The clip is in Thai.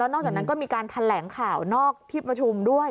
นอกจากนั้นก็มีการแถลงข่าวนอกที่ประชุมด้วย